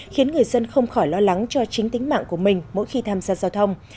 khiến người dân không khỏi lo lắng cho chính tính mạng của mình mỗi khi tham gia giao thông